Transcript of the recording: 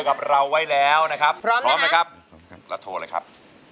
กับเราไว้แล้วนะครับพร้อมแล้วครับพร้อมแล้วครับแล้วโทรเลยครับ